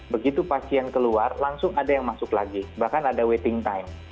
begitu pasien keluar langsung ada yang masuk lagi bahkan ada waiting time